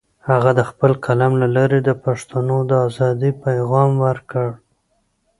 هغه د خپل قلم له لارې د پښتنو د ازادۍ پیغام ورکړ.